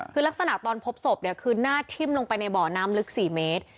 คือลักษณะตอนพบศพเนี่ยคือหน้าทิ่มลงไปในบ่อน้ำลึก๔เมตร